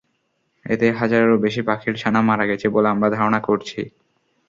এতে হাজারেরও বেশি পাখির ছানা মারা গেছে বলে আমরা ধারণা করছি।